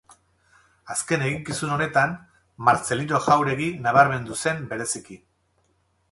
Azken eginkizun honetan, Martzelino Jauregi nabarmendu zen bereziki.